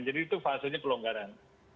jadi itu fasenya pelonggaran